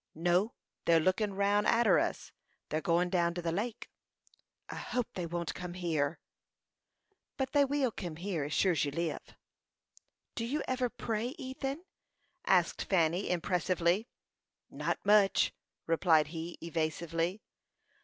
"No; they are lookin' round arter us. They are going down to the lake." "I hope they won't come here." "But they will kim here, as sure as you live." "Do you ever pray, Ethan?" asked Fanny, impressively. "Not much," replied he, evasively.